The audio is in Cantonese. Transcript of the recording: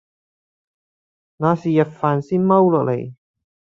那時日飯先蹲下來